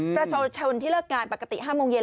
ประชาชนที่เลิกงานปกติ๕โมงเย็น